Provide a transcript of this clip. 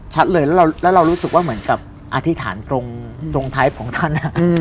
ชัดเลยแล้วเรารู้สึกว่าเหมือนกับอธิษฐานตรงท้ายของท่าน